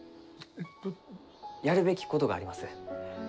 やるべきことがあります。